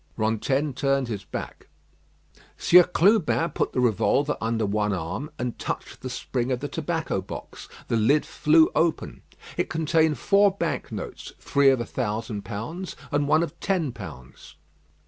Rantaine turned his back. Sieur Clubin put the revolver under one arm, and touched the spring of the tobacco box. The lid flew open. It contained four bank notes; three of a thousand pounds, and one of ten pounds.